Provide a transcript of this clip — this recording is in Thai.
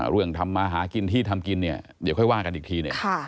เรื่องทำมาหากินที่ทำกินเนี่ยอย่าค่อยว่างกันอีกที